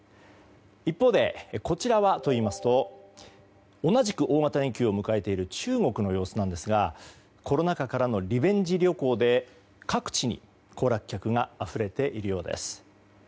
一方でこちらはといいますと同じく大型連休を迎えている中国の様子なんですがコロナ禍からのリベンジ旅行で各地に行楽客があふれているようです。